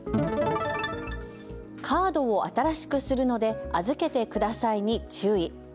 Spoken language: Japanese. カードを新しくするので預けてくださいに注意。